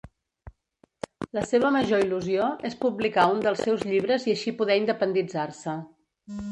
La seva major il·lusió és publicar un dels seus llibres i així poder independitzar-se.